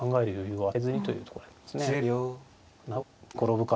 はい。